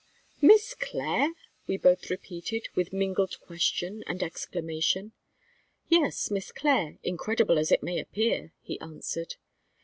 "Miss Clare!" we both repeated, with mingled question and exclamation. "Yes, Miss Clare, incredible as it may appear," he answered.